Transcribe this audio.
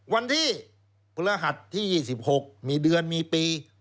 วันที่พฤหัสที่๒๖มีเดือนมีปี